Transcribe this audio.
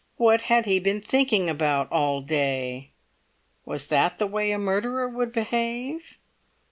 What had he been thinking about all day? Was that the way a murderer would behave?